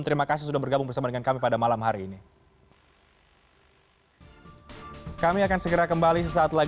terima kasih sudah bergabung bersama dengan kami pada malam hari ini